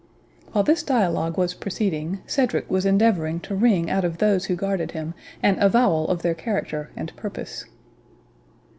While this dialogue was proceeding, Cedric was endeavouring to wring out of those who guarded him an avowal of their character and purpose.